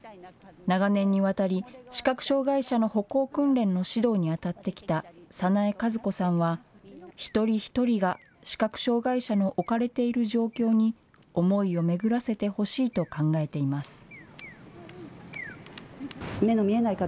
長年にわたり視覚障害者の歩行訓練の指導に当たってきた早苗和子さんは、一人一人が視覚障害者の置かれている状況に思いを巡らせてほしいと考えています。